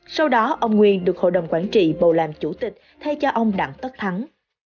sau đó ông nguyên được hội đồng quản trị bầu làm chủ tịch thay cho ông đặng tất thắng